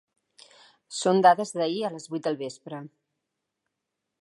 Són dades d’ahir a les vuit del vespre.